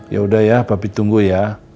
yaudah ya papi tunggu ya